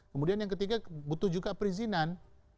kemudian yang ketiga butuh juga perizinan